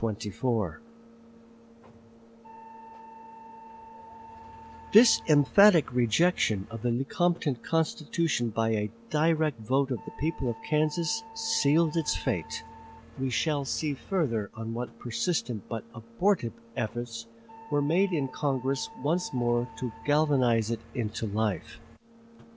This emphatic rejection of the Lecompton Constitution by a direct vote of the people of Kansas sealed its fate. We shall see further on what persistent but abortive efforts were made in Congress once more to galvanize it into life.